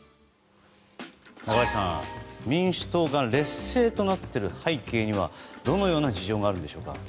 中林さん、民主党が劣勢となっている背景にはどのような事情があるんでしょうか。